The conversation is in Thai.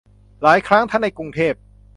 หลายครั้งทั้งในกรุงเทพ